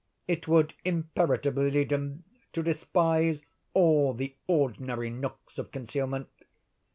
It would imperatively lead him to despise all the ordinary nooks of concealment.